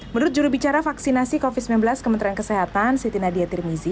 menurut jurubicara vaksinasi covid sembilan belas kementerian kesehatan siti nadia tirmizi